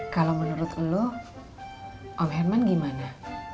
kalau menurut lu om herman gimana